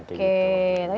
dan kemudian itu ada